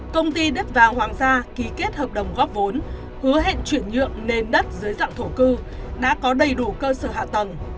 công ty đất vàng hoàng gia ký kết hợp đồng góp vốn hứa hẹn chuyển nhượng nền đất dưới dạng thổ cư đã có đầy đủ cơ sở hạ tầng